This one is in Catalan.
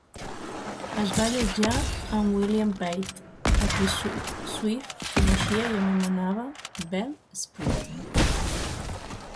Es va allotjar amb William Pate, a qui Swift coneixia i anomenava "bel esprit".